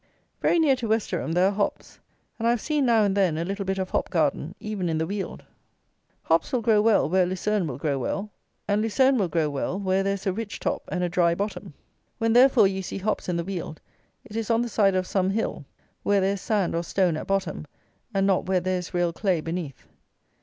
Very near to Westerham there are hops: and I have seen now and then a little bit of hop garden, even in the Weald. Hops will grow well where lucerne will grow well; and lucerne will grow well where there is a rich top and a dry bottom. When therefore you see hops in the Weald, it is on the side of some hill, where there is sand or stone at bottom, and not where there is real clay beneath.